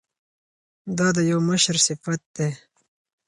دا د یو مشر صفت دی.